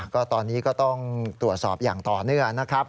ก็ตอนนี้ก็ต้องตรวจสอบอย่างต่อเนื่องนะครับ